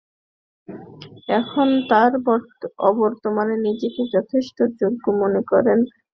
এখন তাঁর অবর্তমানে নিজেকে যথেষ্ট যোগ্য মনে করে মনোনয়ন দাবি করছি।